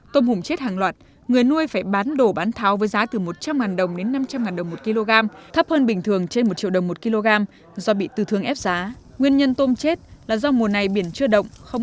tôm hùm chết hàng loạt người nuôi phải bán đồ bán tháo với giá từ một trăm linh đồng đến năm đồng